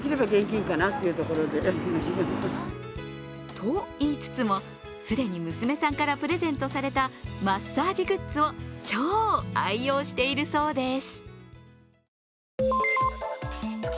といいつつも、既に娘さんからプレゼントされたマッサージグッズを超愛用しているそうです。